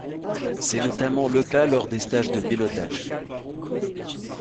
C'est notamment le cas lors des stages de pilotage.